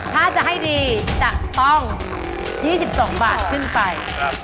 ถ้าจะให้ดีจะต้อง๒๒บาทขึ้นไป